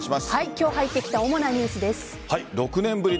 今日入ってきた主なニュースです。